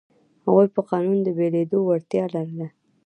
هغوی په قانون د بدلېدو وړتیا لرله.